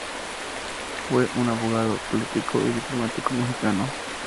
Fue un abogado, político y diplomático mexicano.